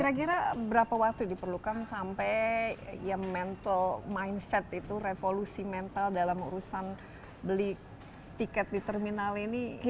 kira kira berapa waktu diperlukan sampai ya mental mindset itu revolusi mental dalam urusan beli tiket di terminal ini